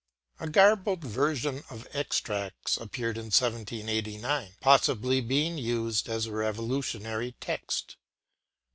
A garbled version of extracts appeared in 1789, possibly being used as a Revolutionary text.